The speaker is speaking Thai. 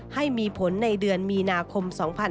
ให้มีผลในเดือนมีนาคม๒๕๖๒